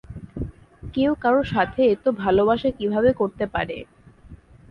কেউ কারো সাথে এতো ভালোবাসা কিভাবে করতে পারে?